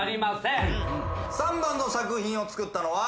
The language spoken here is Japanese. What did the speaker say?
３番の作品を作ったのは。